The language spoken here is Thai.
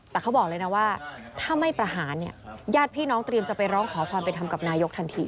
แต่เขาบอกเลยนะว่าถ้าไม่ประหารเนี่ยญาติพี่น้องเตรียมจะไปร้องขอความเป็นธรรมกับนายกทันที